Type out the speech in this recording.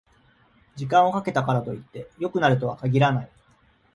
時間をかけたからといって良くなるとは限らない